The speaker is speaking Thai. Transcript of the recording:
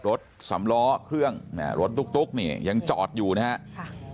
รถสำล้อเครื่องรถตุ๊กนี่ยังจอดอยู่นะครับ